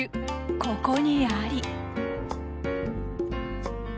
ここにあり！